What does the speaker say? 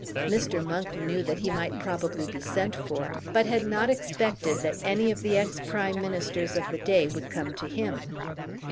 Mr. Monk knew that he might probably be sent for, but had not expected that any of the ex Prime Ministers of the day would come to him.